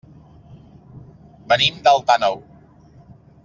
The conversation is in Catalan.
Venim d'Alt Àneu.